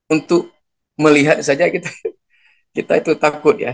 untuk melihat saja kita itu takut ya